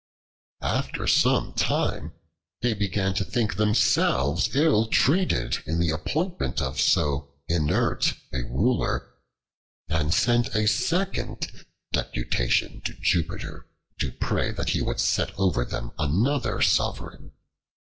After some time they began to think themselves ill treated in the appointment of so inert a Ruler, and sent a second deputation to Jupiter to pray that he would set over them another sovereign.